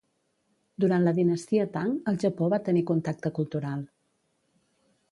Durant la dinastia Tang, el Japó va tenir contacte cultural.